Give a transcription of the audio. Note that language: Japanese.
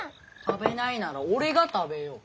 食べないなら俺が食べよう。